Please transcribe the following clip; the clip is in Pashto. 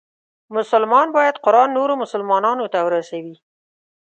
مسلمان باید قرآن نورو مسلمانانو ته ورسوي.